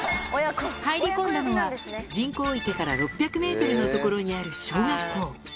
入り込んだのは人工池から６００ｍのところにある小学校